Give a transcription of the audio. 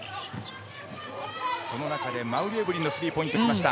その中で馬瓜エブリンのスリーポイントがきました。